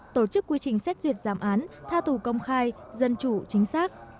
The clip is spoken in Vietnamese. tổ chức quy trình xét duyệt giảm án tha tù công khai dân chủ chính xác